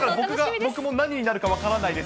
僕も何になるか分からないです、